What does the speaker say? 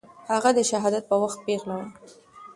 هغه د شهادت په وخت پېغله وه.